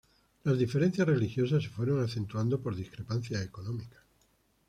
Las diferencias religiosas se fueron acentuando por discrepancias económicas.